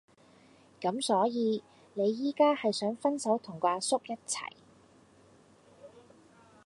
咁所以你依家係想分手同個阿叔一齊